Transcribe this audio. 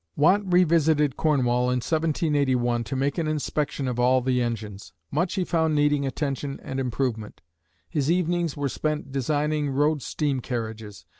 Watt revisited Cornwall in 1781 to make an inspection of all the engines. Much he found needing attention and improvement. His evenings were spent designing "road steam carriages."